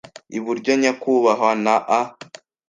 iburyo - nyakubahwa na a